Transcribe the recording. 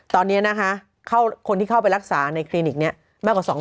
ตอนนี้นะคะคนที่เข้าไปรักษาในคลินิกนี้มากกว่า๒๐๐